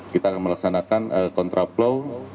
kita akan melaksanakan kontraplow